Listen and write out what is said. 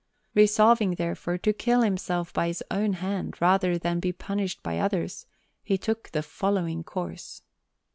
Resolving, therefore, to kill himself by his own hand rather than be punished by others, he took the following course.